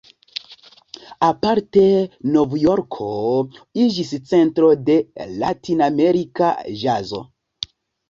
Aparte Novjorko iĝis centro de ”latinamerika ĵazo".